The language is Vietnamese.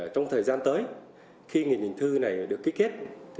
trong thời gian tới khi nghị định thư này được ký kết